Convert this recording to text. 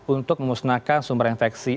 untuk memusnahkan sumber infeksi